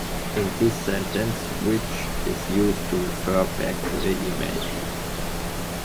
In this sentence, "which" is used to refer back to the e-mail.